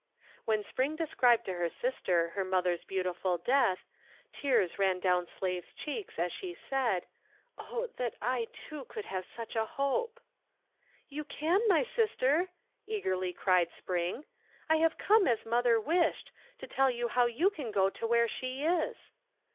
When Spring described to her sister their mother's beautiful death, tears ran down Slave's cheeks as she said, "Oh, that I too could have such a hope!" "You can, my sister," eagerly cried Spring. "I have come as mother wished, to tell you how you can go to where she is."